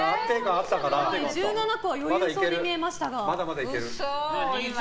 １７個は余裕そうに見えました。